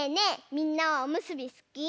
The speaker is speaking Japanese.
みんなはおむすびすき？